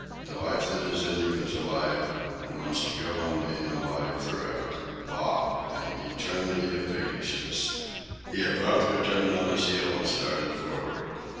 The life that is in you is alive and wants to go on being alive for ever. Bah! An eternity of piggishness!" He abruptly turned on his heel and started forward.